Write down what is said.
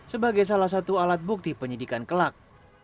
sebagai salah satu alat bukti penyidikan kelak